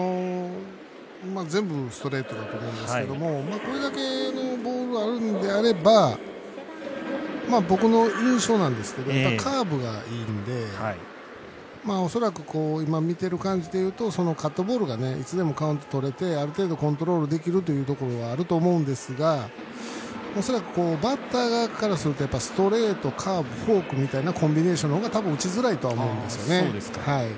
全部、ストレートだと思うんですけどこれだけボールがあればカーブがいいんで、恐らく今、見てる感じでいうとカットボールがいつでもカウントとれてある程度、コントロールできるというところがあると思うんですが恐らくバッター側からするとストレート、カーブフォークみたいなコンビネーションのほうがたぶん打ちづらいとは思うんですよね。